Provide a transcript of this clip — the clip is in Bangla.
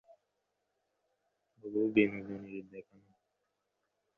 তবু বিনোদিনীর দেখা নাই।